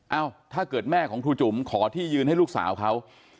ถ้าเกิดแม่ของครูจุ๋มขอที่ยืนให้ลูกสาวเขา